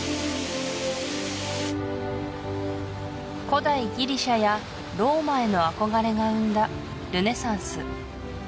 古代ギリシャやローマへの憧れが生んだルネサンス